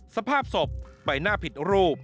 สภาพศพใบหน้าผิดรูป